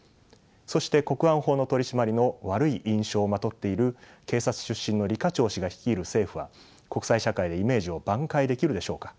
そして国安法の取締りの悪い印象をまとっている警察出身の李家超氏が率いる政府は国際社会でイメージを挽回できるでしょうか。